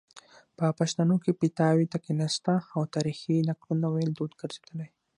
په پښتانو کې پیتاوي ته کیناستنه او تاریخي نقلونو ویل دود ګرځیدلی